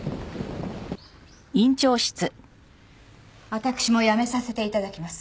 私も辞めさせて頂きます。